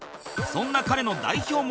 そんな彼の代表